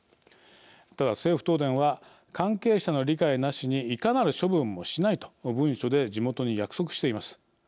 ただ、政府・東電は関係者の理解なしにいかなる処分もしないと文書で地元に約束しています。